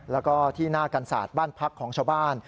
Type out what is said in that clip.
แล้วก็ที่หน้ากันศาสตร์บ้านพักของชาวบ้าน